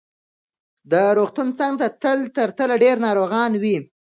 د روغتون څنګ ته تل ډېر ناروغان وي.